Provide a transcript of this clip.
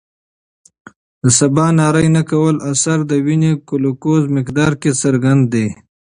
د سباناري نه کولو اثر د وینې ګلوکوز مقدار کې څرګند دی.